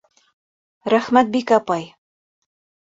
Рәхмәт, Бикә апай.